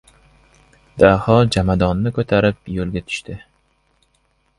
Daho jomadon ko‘tarib yo‘lga tushdi.